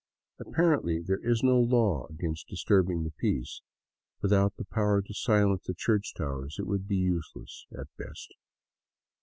Apparently there is no law against disturbing the peace; without the power to silence the church towers it would be useless, at best.